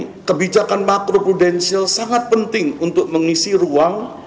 dalam kaitan ini kebijakan makro prudensil sangat penting untuk mengisi ruang